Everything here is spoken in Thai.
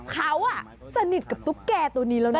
เขาสนิทกับตุ๊กแก่ตัวนี้แล้วนะ